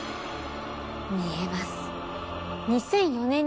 見えます。